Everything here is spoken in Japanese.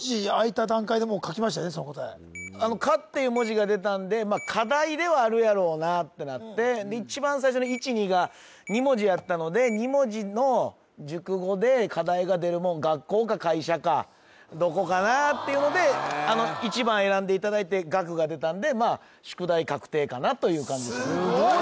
その答え「課」っていう文字が出たんで課題ではあるやろうなってなって一番最初の１２が２文字やったので「学校」か「会社」かどこかなっていうので１番選んでいただいて「学」が出たんでまあ宿題確定かなという感じすごい！